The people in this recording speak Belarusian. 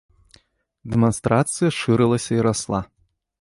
Дэманстрацыя шырылася і расла.